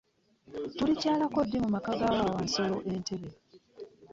Tulikyalako ddi mu maka g'aba Wansolo e Ntebe?